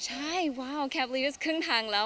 ใช่ว้าวแคปริสต์ครึ่งทางแล้ว